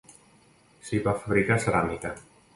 S'hi va fabricar ceràmica.